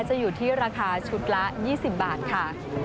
จะอยู่ที่ราคาชุดละ๒๐บาทค่ะ